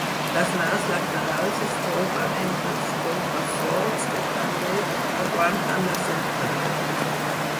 Les naus laterals es troben entre els contraforts que també aguanten la central.